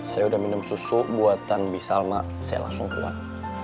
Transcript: saya udah minum susu buatan bisa mak saya langsung buat